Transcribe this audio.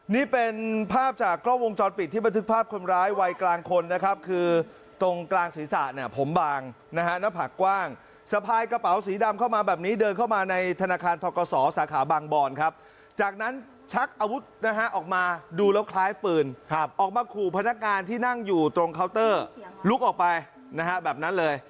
นี่เป็นภาพจากกล้องวงจรปิดที่บันทึกภาพคนร้ายวัยกลางคนนะครับคือตรงกลางศีรษะเนี่ยผมบางนะฮะหน้าผักกว้างสะพายกระเป๋าสีดำเข้ามาแบบนี้เดินเข้ามาในธนาคารทกศสาขาบางบอนครับจากนั้นชักอาวุธนะฮะออกมาดูแล้วคล้ายปืนออกมาขู่พนักงานที่นั่งอยู่ตรงเคาน์เตอร์ลุกออกไปนะฮะแบบนั้นเลย